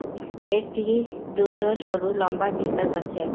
এর দুটি সরু, লম্বা বিষ দাঁত আছে।